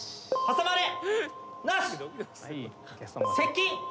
挟まれ。